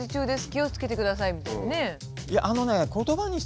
気をつけてください」みたいなね。